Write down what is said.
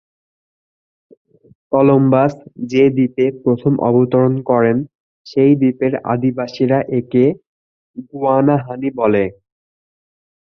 Columbus যে দ্বীপে প্রথম অবতরণ করেন সেই দ্বীপের আদিবাসীরা একে গুয়ানাহানি বলে।